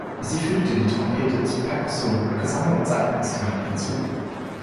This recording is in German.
Sie fügte die Trompete zu Perkussion, Gesang und Saiteninstrumenten hinzu.